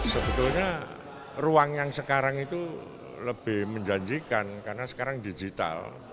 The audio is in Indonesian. sebetulnya ruang yang sekarang itu lebih menjanjikan karena sekarang digital